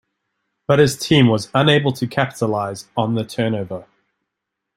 But his team was unable to capitalize on the turnover.